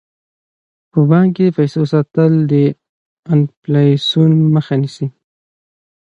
په بانک کې د پیسو ساتل د انفلاسیون مخه نیسي.